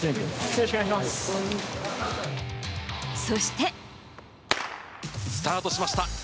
そして。スタートしました。